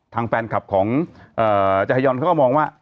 ทางแฟนคลับของจาฮยอนเขาก็มองว่า